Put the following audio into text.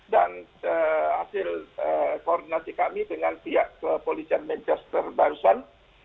dan hasil koordinasi kami dengan pihak kepolisian manchester barusan